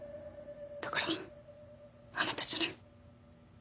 だからあなたじゃない。